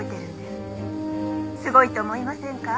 「すごいと思いませんか？」